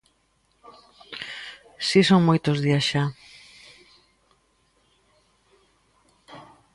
Si son moitos días xa.